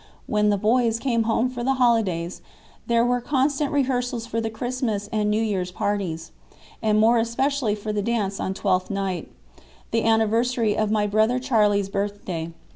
When "the boys" came home for the holidays there were constant rehearsals for the Christmas and New Year's parties; and more especially for the dance on Twelfth Night, the anniversary of my brother Charlie's birthday.